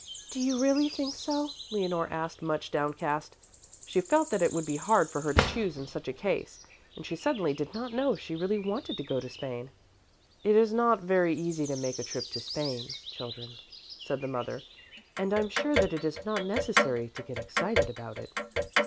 "Do you really think so?" Leonore asked, much downcast. She felt that it would be hard for her to choose in such a case, and she suddenly did not know if she really wanted to go to Spain. "It is not very easy to make a trip to Spain, children," said the mother, "and I am sure that it is not necessary to get excited about it."